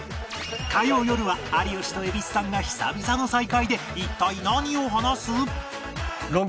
火曜よるは有吉と蛭子さんが久々の再会で一体何を話す？